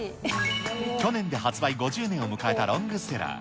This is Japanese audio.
去年で発売５０年を迎えたロングセラー。